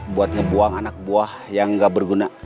buat ngebuang anak buah yang gak berguna